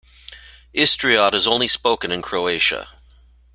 Istriot is only spoken in Croatia.